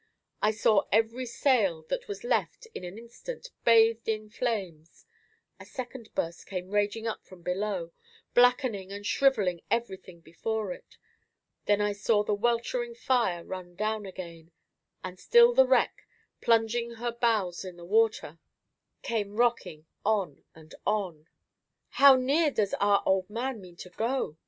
I saw every sail that was left in an instant bathed in flames; a second burst came raging up from below, blackening and shrivelling everything before it; then I saw the weltering fire run down again, and still the wreck, plunging her bows in the water, came rocking on and on. "How near does our old man mean to go?"